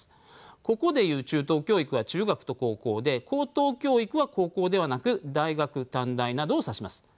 ここでいう中等教育は中学と高校で高等教育は高校ではなく大学・短大などを指します。